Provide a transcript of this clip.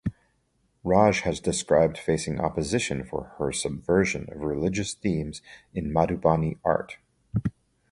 Raj has described facing opposition for her subversion of religious themes in Madhubani art.